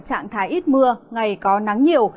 trạng thái ít mưa ngày có nắng nhiều